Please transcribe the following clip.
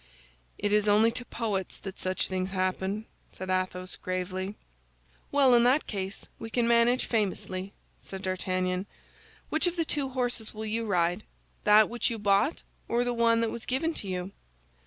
"It is only to poets that such things happen," said Athos, gravely. "Well, in that case, we can manage famously," said D'Artagnan; "which of the two horses will you ride—that which you bought or the one that was given to you?"